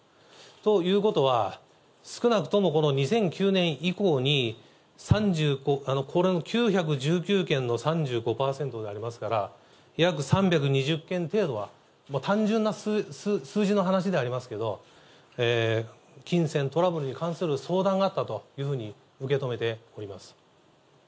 ということは、少なくともこの２００９年以降に、これの９１９件の３５％でありますから、約３２０件程度は、単純な数字の話でありますけど、金銭トラブルに関する相談があったというふうに受け止めております。